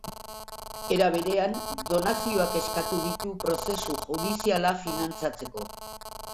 Era berean, donazioak eskatu ditu prozesu judiziala finantzatzeko.